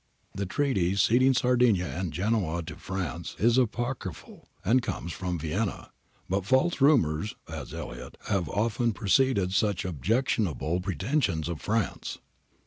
The treaty ceding Sardinia and Genoa to France is apocry phal, and comes from Vienna. But false rumours, adds Elliot, have often preceded such objectionable pretensions of Prance.